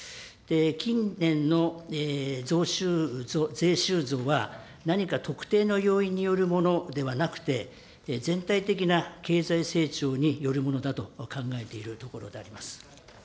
近年の税収増は何か、特定の要因によるものではなくて、全体的な経済成長によるものだと考えているところであります。